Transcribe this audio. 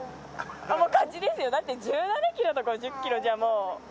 もう勝ちですよ、だって１７キロと５０キロじゃもう。